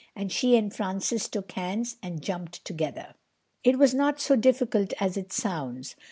And she and Francis took hands and jumped together. It was not so difficult as it sounds.